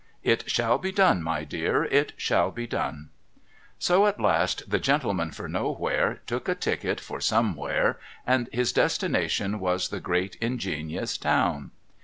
' It shall be done, my dear ; it shall be done.' So at last the gentleman for Nowhere took a ticket for Some where, and his destination was the great ingenious town.